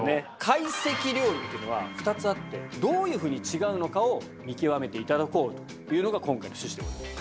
「かいせき料理」っていうのは２つあってどういうふうに違うのかを見極めて頂こうというのが今回の趣旨でございます。